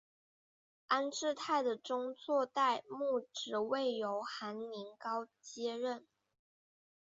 安治泰的宗座代牧职位由韩宁镐接任。